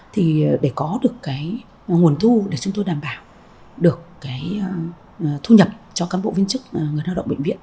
thì để có được cái nguồn thu để chúng tôi đảm bảo được cái thu nhập cho cán bộ viên chức người lao động bệnh viện